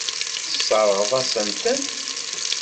Tesseṛɣeḍ-asent-ten.